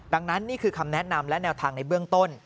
ดังนั้นนี่คือคำแนะนำและแนวทางในเบื้องต้น